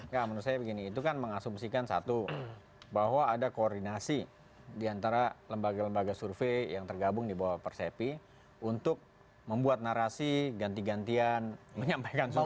ya menurut saya begini itu kan mengasumsikan satu bahwa ada koordinasi diantara lembaga lembaga survei yang tergabung di bawah persepi untuk membuat narasi ganti gantian menyampaikan soal